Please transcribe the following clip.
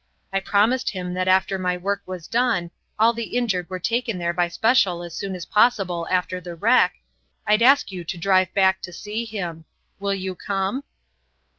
I promised him that after my work was done all the injured were taken there by a special as soon as possible after the wreck I'd ask you to drive back to see him. Will you come?"